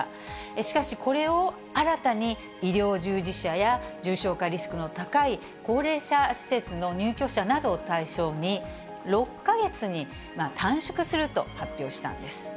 しかし、これを新たに医療従事者や重症化リスクの高い高齢者施設の入居者などを対象に、６か月に短縮すると発表したんです。